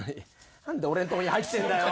なんで俺んとこに入ってんだよ！